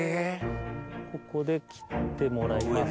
ここで切ってもらいます。